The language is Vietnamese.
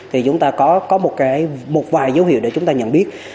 thì chúng ta có một vài dấu hiệu để chúng ta nhận biết